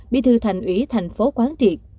bị thư thành ủy tp hcm